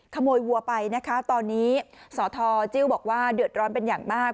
วัวไปนะคะตอนนี้สทจิ้วบอกว่าเดือดร้อนเป็นอย่างมาก